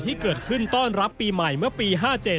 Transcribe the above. ที่เกิดขึ้นต้อนรับปีใหม่เมื่อปี๕๗